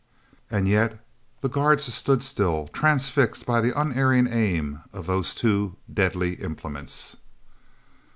And yet the guard stood still, transfixed by the unerring aim of those two deadly implements.